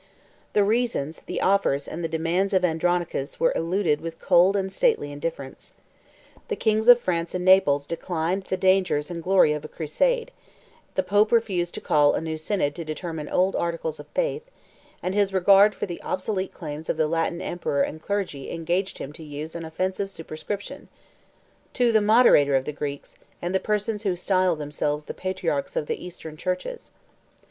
The reasons, the offers, and the demands, of Andronicus were eluded with cold and stately indifference. The kings of France and Naples declined the dangers and glory of a crusade; the pope refused to call a new synod to determine old articles of faith; and his regard for the obsolete claims of the Latin emperor and clergy engaged him to use an offensive superscription,—"To the moderator 2 of the Greeks, and the persons who style themselves the patriarchs of the Eastern churches."